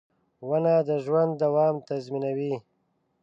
• ونه د ژوند دوام تضمینوي.